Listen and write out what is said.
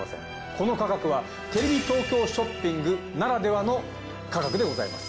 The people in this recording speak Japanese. この価格はテレビ東京ショッピングならではの価格でございます。